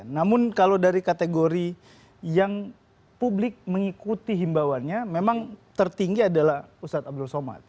namun kalau dari kategori yang publik mengikuti himbawannya memang tertinggi adalah ustadz abdul somad